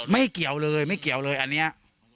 ไม่เกี่ยวเลยไม่เกี่ยวเลยอันนี้